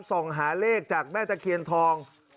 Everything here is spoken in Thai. ส่องหาเลขจากแม่ตะเคียนทอง